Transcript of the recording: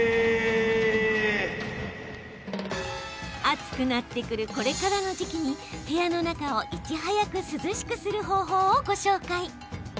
暑くなってくるこれからの時期に部屋の中を、いち早く涼しくする方法をご紹介。